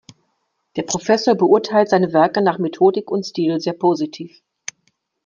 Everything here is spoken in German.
Der Professor beurteilt seine Werke nach Methodik und Stil sehr positiv.